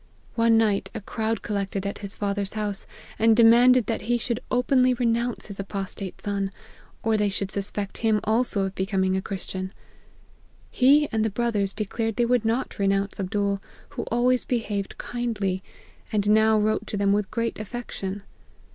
One night a crowd collected at his father's house, and de manded that he should openly renounce his apostate son, or they should suspect him also of becoming a Christian. He and the brothers declared they would not renounce Abdool, who always behaved kindly, and now wrote to them with great affection.